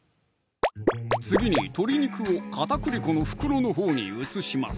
次に鶏肉を片栗粉の袋のほうに移します